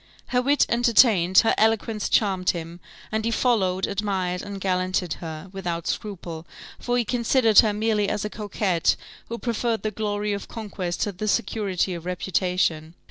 Her wit entertained, her eloquence charmed him, and he followed, admired, and gallanted her, without scruple, for he considered her merely as a coquette, who preferred the glory of conquest to the security of reputation.